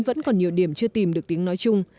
vẫn còn nhiều điểm chưa tìm được tiếng nói chung